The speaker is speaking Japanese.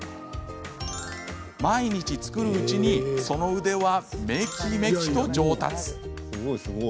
毎日作るうちにその腕は、めきめきと上達。